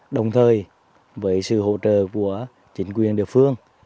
đồng thời với sự hỗ trợ của chính quyền địa phương